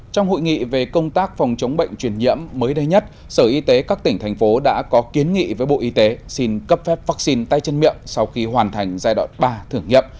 trong hội nghị về công tác phòng chống bệnh truyền nhiễm mới đây nhất sở y tế các tỉnh thành phố đã có kiến nghị với bộ y tế xin cấp phép vaccine tay chân miệng sau khi hoàn thành giai đoạn ba thử nghiệm